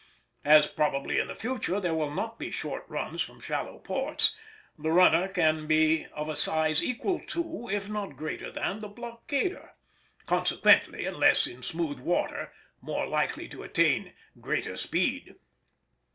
As probably in the future there will not be short runs from shallow ports, the runner can be of a size equal to, if not greater than, the blockader; consequently, unless in smooth water, more likely to attain greater speed.